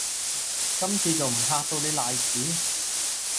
今次仲唔嚇到你瀨屎